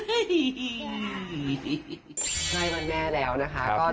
จริงหรือเปล่าค่ะน้องนีลา